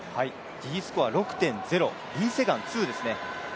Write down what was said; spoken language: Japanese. Ｄスコア、６．０リ・セグァン２ですね。